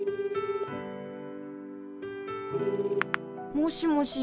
もしもし？